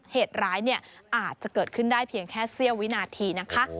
เหตุร้ายอาจจะเกิดขึ้นได้เพียงแค่เสี้ยววินาทีนะคะ